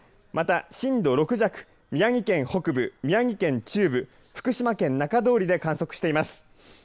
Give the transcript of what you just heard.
また、震度６弱宮城県北部、宮城県中部福島県中通りで観測しています。